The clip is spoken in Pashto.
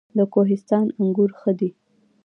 د کوهستان انګور ښه دي